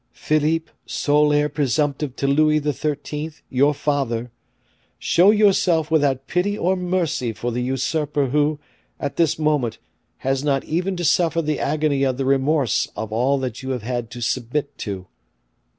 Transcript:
Philippe, sole heir presumptive to Louis XIII., your father, show yourself without pity or mercy for the usurper who, at this moment, has not even to suffer the agony of the remorse of all that you have had to submit to."